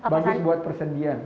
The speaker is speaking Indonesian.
bagus buat persendian